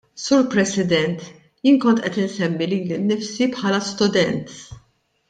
Sur President, jien kont qed insemmi lili nnifsi bħala student.